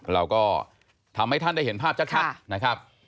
เราก็ทำให้ท่านได้เห็นภาพชัดนะครับ